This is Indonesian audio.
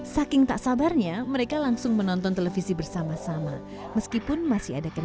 senangnya melihat pancaran ekspresi bahagia dari anak anak ini